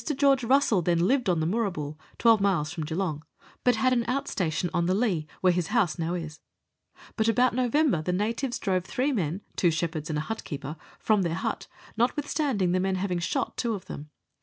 George Russell then lived on the Moorabool, 1 2 miles from Geelong, but had an 2 Letters from Victorian Pioneers. out station on the Leigh, whore his house now is; but about November the natives drove three men (two shepherds and a hut keeper) from their hut, notwithstanding the men having shot two of them.